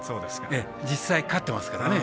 実際、勝ってますから。